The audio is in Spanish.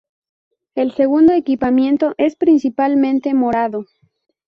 El segundo equipamiento es principalmente morado.